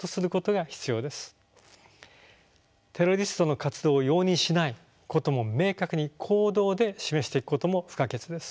テロリストの活動を容認しないことも明確に行動で示していくことも不可欠です。